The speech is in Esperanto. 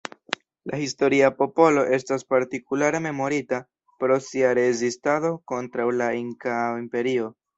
La historia popolo estas partikulare memorita pro sia rezistado kontraŭ la Inkaa Imperio.